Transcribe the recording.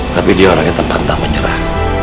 tapi dia orang yang tepat tak menyerah